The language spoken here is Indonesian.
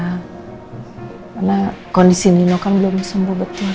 karena kondisi nino kan belum sembuh betul